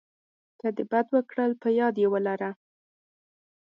که د بد وکړل په یاد یې ولره .